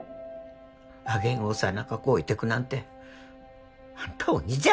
あげん幼か子を置いてくなんてあんた鬼じゃ